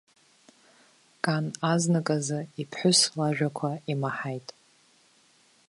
Кан азнык азы иԥҳәыс лажәақәа имаҳаит.